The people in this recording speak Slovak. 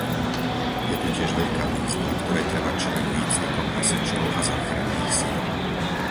Je tu tiež veľká výzva, ktorej treba čeliť výcvikom hasičov a záchranných síl.